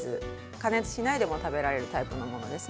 加熱しないでも食べられるものです。